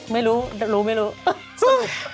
ไม่รู้รู้ไม่รู้